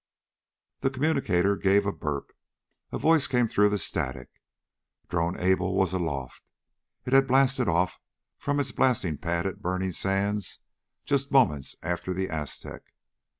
The communicator gave a burp. A voice came through the static. Drone Able was aloft. It had blasted off from its blasting pad at Burning Sands just moments after the Aztec.